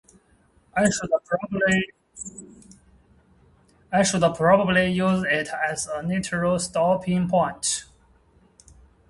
I should probably use it as a natural stopping point.